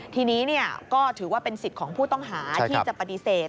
ทีนี้ก็ถือว่าเป็นสิทธิ์ของผู้ต้องหาที่จะปฏิเสธ